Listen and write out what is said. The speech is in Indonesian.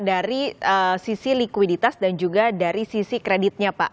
dari sisi likuiditas dan juga dari sisi kreditnya pak